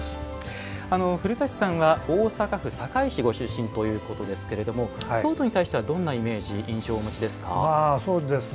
古舘さんは、大阪府堺市ご出身ということですが京都に対しては、どんなイメージ印象をお持ちですか？